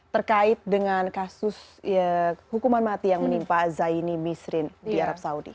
terkait dengan kasus hukuman mati yang menimpa zaini misrin di arab saudi